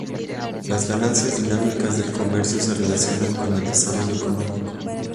Las ganancias dinámicas del comercio se relacionan con el desarrollo económico.